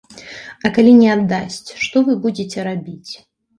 А калі не аддасць, што вы будзеце рабіць?